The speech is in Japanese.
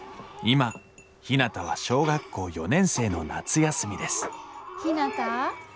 今ひなたは小学校４年生の夏休みですひなた。